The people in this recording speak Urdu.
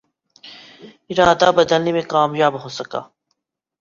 ارادہ بدلنے میں کامیاب ہو سکا